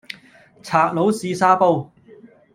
賊佬試沙煲